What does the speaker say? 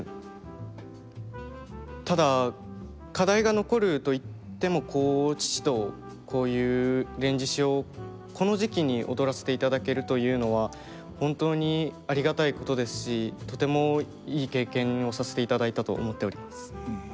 ただ課題が残ると言っても父とこういう「連獅子」をこの時期に踊らせていただけるというのは本当にありがたいことですしとてもいい経験をさせていただいたと思っております。